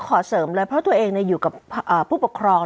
ขอเสริมเลยเพราะตัวเองอยู่กับผู้ปกครอง